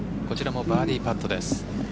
こちらもバーディーパットです。